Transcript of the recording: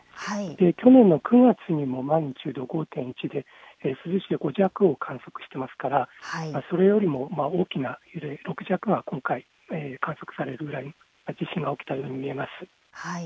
去年の９月にもマグニチュード５．１で５弱を観測していますからそれよりも大きな揺れ、６弱が観測されるぐらいの地震が起きたように思います。